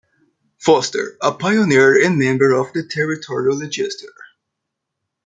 Foster, a pioneer and member of the Territorial legislature.